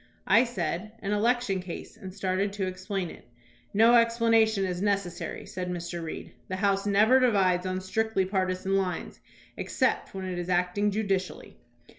I said, "An election case," and started to explain it. "No explanation is necessary," said Mr. Reed; "the House never divides on strictly partisan lines except when it is acting judicially."